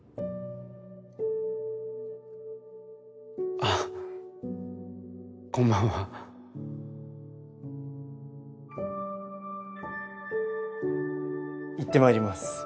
あこんばんはいってまいります。